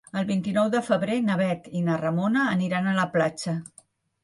El vint-i-nou de febrer na Bet i na Ramona aniran a la platja.